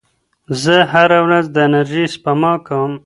زه هره ورځ د انرژۍ سپما کوم.